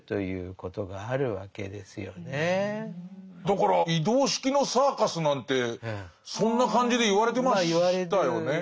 だから移動式のサーカスなんてそんな感じで言われてましたよね。